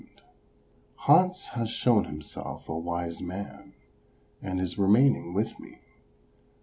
Hantz has shown himself a wise man, and is remaining with me.